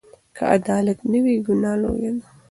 که عدالت نه وي، ګناه لویه ده.